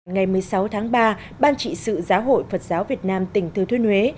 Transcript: ngày một mươi sáu tháng ba ban trị sự giáo hội phật giáo việt nam tỉnh thừa thuyên huế